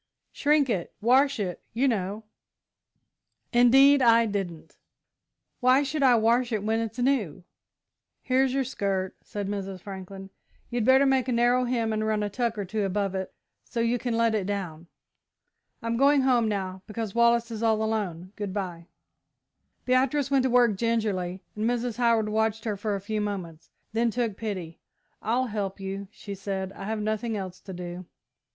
"Shrink it. Wash it, you know." "Indeed I didn't. Why should I wash it when it's new?" "Here's your skirt," said Mrs. Franklin. "You'd better make a narrow hem and run a tuck or two above it so you can let it down. I'm going home now, because Wallace is all alone. Good bye." Beatrice went to work gingerly, and Mrs. Howard watched her for a few moments, then took pity. "I'll help you," she said, "I have nothing else to do."